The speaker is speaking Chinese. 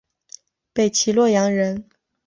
北齐洛阳人。